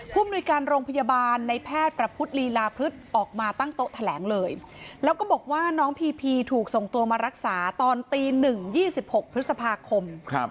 มนุยการโรงพยาบาลในแพทย์ประพุทธลีลาพฤษออกมาตั้งโต๊ะแถลงเลยแล้วก็บอกว่าน้องพีพีถูกส่งตัวมารักษาตอนตี๑๒๖พฤษภาคม